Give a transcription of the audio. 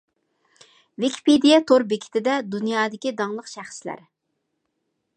ۋىكىپېدىيە تور بېكىتىدە دۇنيادىكى داڭلىق شەخسلەر.